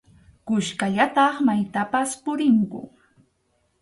Kuskallataq maytapas purinku.